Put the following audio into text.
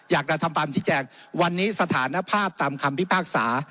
อยากจะทำตามที่แจงวันนี้สถานภาพตามคำพิพากษา